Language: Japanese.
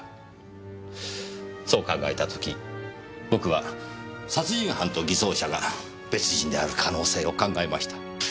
そう考えた時僕は殺人犯と偽装者が別人である可能性を考えました。